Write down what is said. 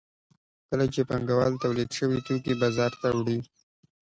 کله چې پانګوال تولید شوي توکي بازار ته وړي